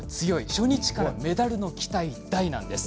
初日からメダルの期待大です。